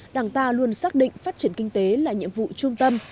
đảng ta luôn xác định phát triển kinh tế là nhiệm vụ trung tâm